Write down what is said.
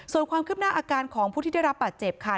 ส่วนความคืบหน้าอาการของผู้ที่ได้รับบาดเจ็บค่ะ